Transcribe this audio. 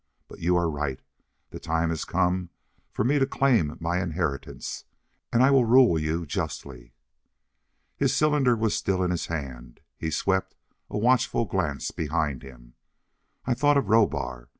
But you are right the time has come for me to claim my inheritance. And I will rule you justly." His cylinder was still in his hand; he swept a watchful glance behind him. I thought of Rohbar.